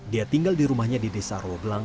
dia tinggal di rumahnya di desa rowebelang